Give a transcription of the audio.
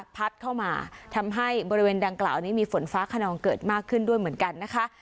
พัดเข้ามาทำให้บริเวณดังกล่าวนี้มีฝนฟ้าขนองเกิดมากขึ้นด้วยเหมือนกันนะคะ